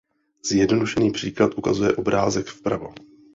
Zjednodušený příklad ukazuje obrázek vpravo.